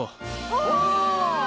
お！